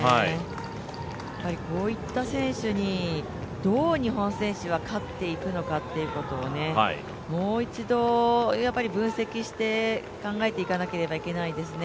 こういった選手にどう日本選手は勝っていくのかということをもう一度、分析して考えていかなければいけないですね。